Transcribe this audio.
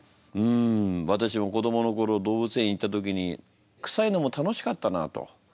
ん私も子どもの頃動物園行った時にくさいのも楽しかったなと。